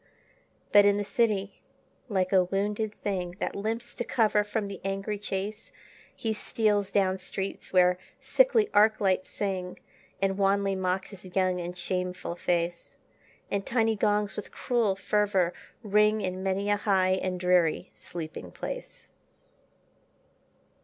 But in the city, like a wounded thing That limps to cover from the angry chase, He steals down streets where sickly arc lights sing, And wanly mock his young and shameful face; And tiny gongs with cruel fervor ring In many a high and dreary sleeping place.